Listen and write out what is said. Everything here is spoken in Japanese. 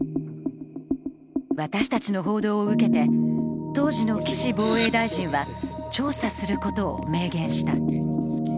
私たちの報道を受けて、当時の岸防衛大臣は調査することを明言した。